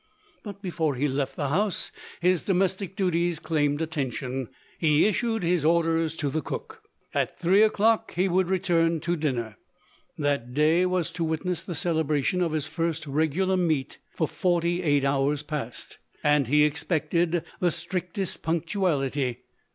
But, before he left the house, his domestic duties claimed attention. He issued his orders to the cook. At three o'clock he would return to dinner. That day was to witness the celebration of his first regular meat for forty eight hours past; and he expected the strictest punctuality.